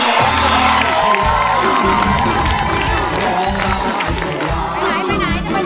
มูลค่า๑๐๐๐๐บาท